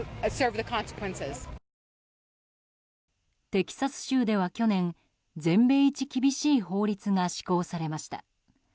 テキサス州では去年全米一厳しい法律が施行されました。